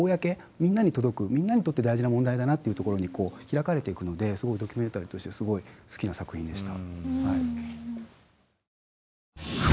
みんなに届くみんなにとって大事な問題だなっていうところに開かれていくのでドキュメンタリーとしてすごい好きな作品でした。